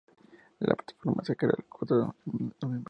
La plataforma se creó el cuatro de Noviembre